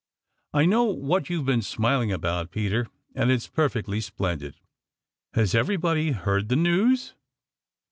"I know what you've been smiling about, Peter, and it's perfectly splendid. Has everybody heard the news?"